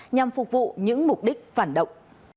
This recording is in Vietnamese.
nhằm phục vụ những mục đích phản động